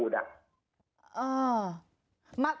ว่าง